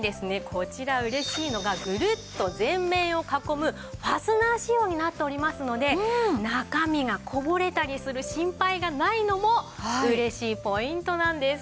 こちら嬉しいのがぐるっと全面を囲むファスナー仕様になっておりますので中身がこぼれたりする心配がないのも嬉しいポイントなんです。